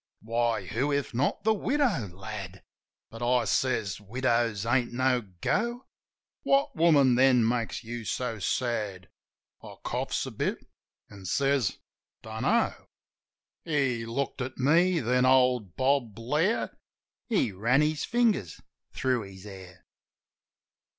"Why, who, if not the widow, lad?" But I says, "Widows ain't no go." "What woman, then, makes you so sad?" I coughs a bit an' says, "Dunno." He looked at me, then old Bob Blair He ran his fingers through his hair.